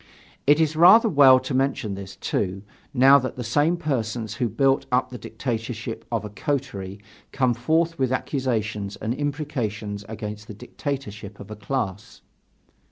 It is rather well to mention this, too, now that the same persons who built up the dictatorship of a coterie, come forth with accusations and imprecations against the dictatorship of a class.